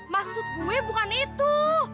maksud gue bukan itu